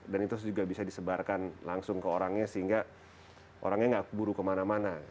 dan itu juga bisa disebarkan langsung ke orangnya sehingga orangnya nggak buru kemana mana